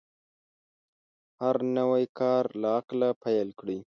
هر نوی کار له عقله پیل کړئ.